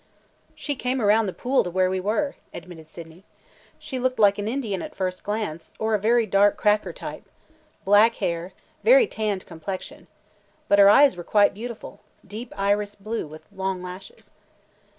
"She came around the pool to where we were," admitted Sydney. "She looked like an Indian at first glance or a very dark cracker type. Black hair; very tanned complexion. But her eyes were quite beautiful, deep iris blue with long lashes."